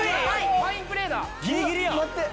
ファインプレーです。